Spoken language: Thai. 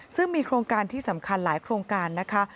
ซึ่งมีโครงการที่สำคัญหลายโครงการนะคะ